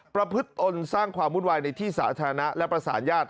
ประพฤติตนสร้างความวุ่นวายในที่สาธารณะและประสานญาติ